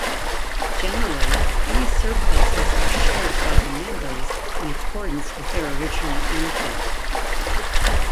Generally, any surpluses are shared by the members in accordance with their original input.